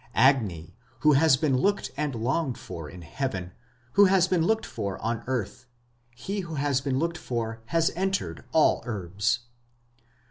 Agni, who has been looked and longed for in Heaven, who has been looked for on earth he who has been looked for has entered all herbs.